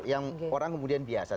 yang orang kemudian biasa